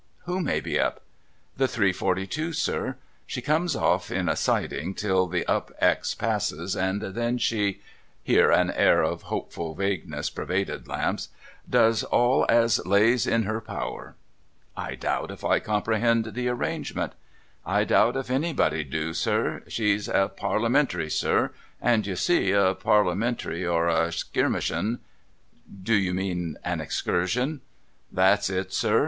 ' Who may be up ?'' The three forty two, sir. She goes off in a sidin' till the Up X passes, and then she '— here an air of hopeful vagueness pervaded Lamps —* does all as lays in her power.' ' 1 doubt if I comprehend the arrangement.' ' I doubt if anybody do, sir. She's a Parliamentary, sir. And, you see, a Parliamentar)', or a Skirmishun ——'' Do you mean an Excursion ?'' That's it, sir.